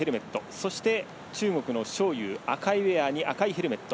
そして、中国の章勇赤いウェアに赤いヘルメット。